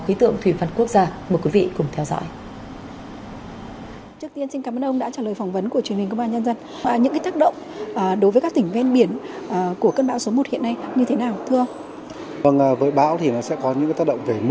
khí tượng thủy văn quốc gia mời quý vị cùng theo dõi